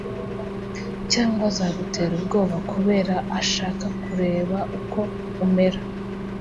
cyangwa azagutera ubwoba kubera ashaka kureba uko umera